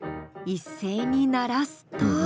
一斉に鳴らすと。